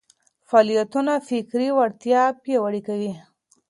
فعالیتونه فکري وړتیا پياوړې کوي.